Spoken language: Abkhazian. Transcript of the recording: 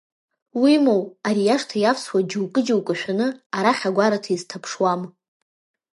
Уимоу, ари ашҭа иавсуа џьоукы-џьоукы шәаны арахь агәараҭа изҭаԥшуам.